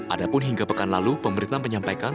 adapun hingga pekan lalu pemerintah menyampaikan